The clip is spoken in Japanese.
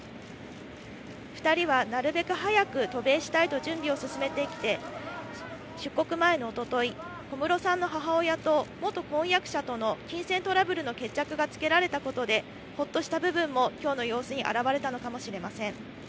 ２人はなるべく早く渡米したいと準備を進めてきて、出国前の一昨日、小室さんの母親と元婚約者との金銭トラブルの決着がつけられたことでホッとした部分も今日の様子に表れたのかもしれません。